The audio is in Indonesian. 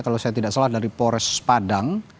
kalau saya tidak salah dari polres padang